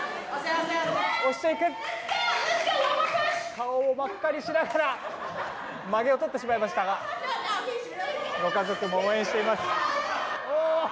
顔を真っ赤にしながらまげを取ってしまいましたがご家族も応援しています。